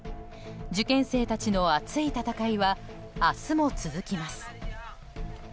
受験生たちの熱い戦いは明日も続きます。